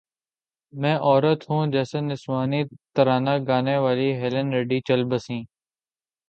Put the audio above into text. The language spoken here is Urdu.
میں عورت ہوں جیسا نسوانی ترانہ گانے والی ہیلن ریڈی چل بسیں